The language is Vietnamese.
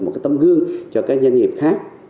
một tấm gương cho các doanh nghiệp khác